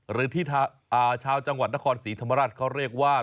หรือที่ชาวจังหวัดนครศรีธรรมราชเขาเรียกว่า